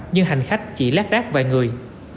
nhưng hành khách chỉ lát rác vài người